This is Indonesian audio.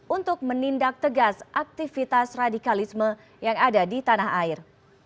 untuk menindak tegas aktivitas radikalisme yang ada di tanah air